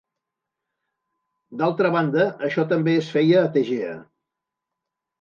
D'altra banda això també es feia a Tegea.